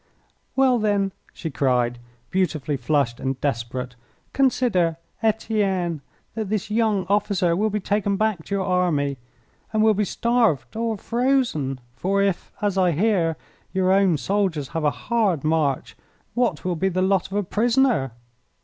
"Well, then," she cried, beautifully flushed and desperate, "consider, Etienne, that this young officer will be taken back to your army and will be starved or frozen, for if, as I hear, your own soldiers have a hard march, what will be the lot of a prisoner?"